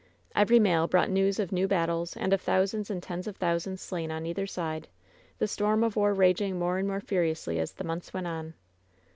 Every mail brought news of new battles and of thou* sands and tens of thousands slain on either side; th« storm of war raging more and more furiously as th^ months went on.